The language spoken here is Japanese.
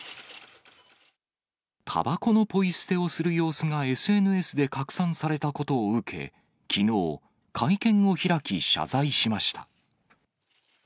たばこのポイ捨てをする様子がＳＮＳで拡散されたことを受け、きのう、会見を開き、謝罪しました。